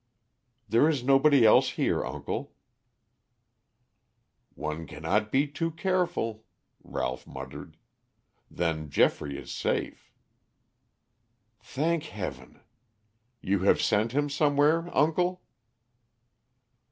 "There is nobody else here, uncle." "One cannot be too careful," Ralph muttered. "Then Geoffrey is safe." "Thank Heaven. You have sent him somewhere, uncle?"